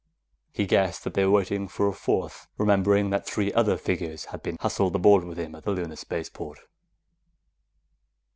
He guessed that they were waiting for a fourth, remembering that three other figures had been hustled aboard with him at the Lunar spaceport.